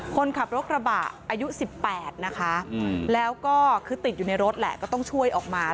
คนขับรถกระบะอายุ๑๘นะคะแล้วก็คือติดอยู่ในรถแหละก็ต้องช่วยออกมา